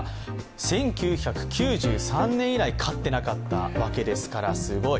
１９９３年以来、勝っていなかったわけですからすごい。